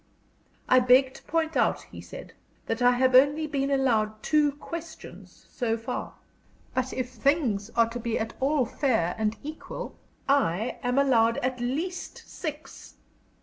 "I beg to point out," he said, "that I have only been allowed two questions so far. But if things are to be at all fair and equal, I am owed at least six."